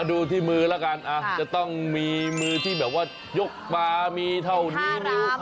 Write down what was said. ดูที่มือแล้วกันจะต้องมีมือที่แบบว่ายกปลามีเท่านี้นิ้ว